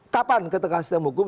kapan ketika sistem hukum